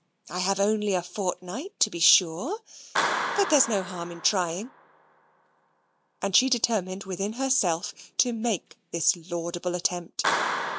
I have only a fortnight, to be sure, but there is no harm in trying." And she determined within herself to make this laudable attempt.